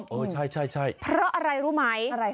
เพราะอะไรรู้ไหม